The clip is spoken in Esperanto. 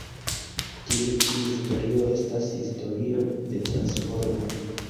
Tiu ĉi historio estas historio de transformo".